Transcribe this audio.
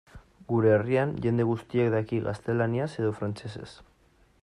Gure herrian jende guztiak daki gaztelaniaz edo frantsesez.